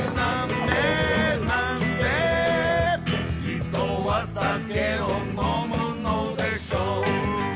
「人は酒を呑むのでしょう」